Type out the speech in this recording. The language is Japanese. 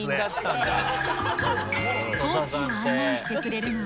高知を案内してくれるのは